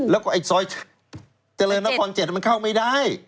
แล้วก็ไอ้ซอยเจริญนคร๗มันเข้าไม่ได้